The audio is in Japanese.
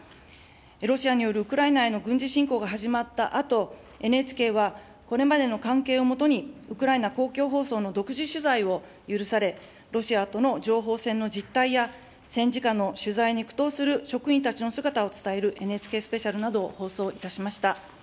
ロシアによるウクライナへの軍事侵攻が始まったあと、ＮＨＫは、これまでの関係をもとに、ウクライナ公共放送の独自取材を許され、ロシアとの情報戦の実態や、戦時下の取材に苦闘する職員たちの姿を伝えるＮＨＫスペシャルなどを放送いたしました。